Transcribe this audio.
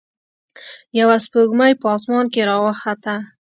یوه سپوږمۍ په اسمان کې راوخته.